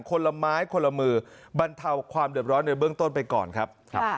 คนละไม้คนละมือบรรเทาความเดือดร้อนในเบื้องต้นไปก่อนครับ